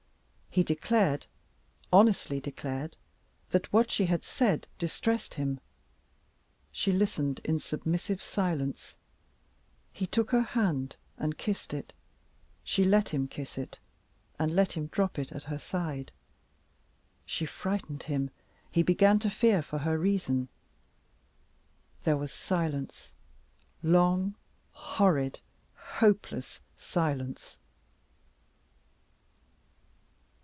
He declared, honestly declared, that what she had said distressed him. She listened in submissive silence. He took her hand, and kissed it. She let him kiss it, and let him drop it at her side. She frightened him; he began to fear for her reason. There was silence long, horrid, hopeless silence.